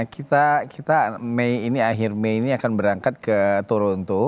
kita mei ini akhir mei ini akan berangkat ke toronto